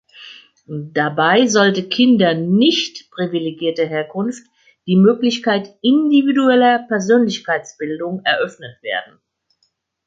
Dabei sollte Kindern nicht-privilegierter Herkunft die Möglichkeit individueller Persönlichkeitsbildung eröffnet werden.